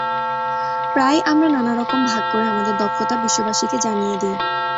প্রায়ই আমরা নানা রকম ভাগ করে আমাদের দক্ষতা বিশ্ববাসীকে জানিয়ে দিই।